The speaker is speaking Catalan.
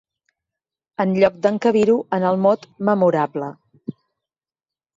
Enlloc d'encabir-ho en el mot "memorable".